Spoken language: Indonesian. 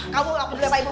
kamu gak perlu jawab ibu